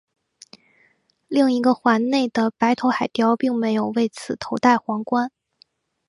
另一个环内的白头海雕并没有为此头戴皇冠。